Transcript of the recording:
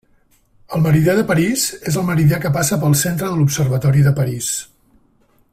El meridià de París és el meridià que passa pel centre de l'Observatori de París.